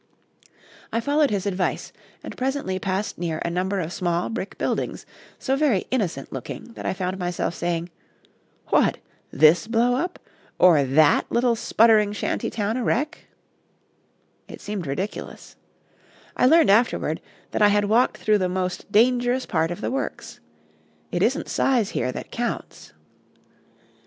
I followed his advice, and presently passed near a number of small brick buildings so very innocent looking that I found myself saying, "What! this blow up, or that little sputtering shanty wreck a town?" It seemed ridiculous. I learned afterward that I had walked through the most dangerous part of the works; it isn't size here that counts.